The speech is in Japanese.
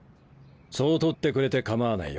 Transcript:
そう取ってくれて構わないよ。